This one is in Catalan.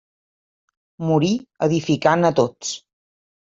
Morí edificant a tots.